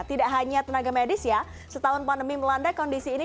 tidak hanya tenaga medis ya setahun pandemi melanda kondisi ini